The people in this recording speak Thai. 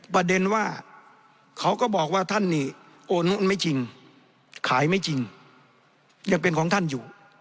ประเด็นว่าเขาก็บอกว่าท่านนี่โอนไม่จริงขายไม่จริงยังเป็นของท่านอยู่